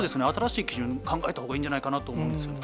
新しい基準、考えたほうがいいんじゃないかなと思います。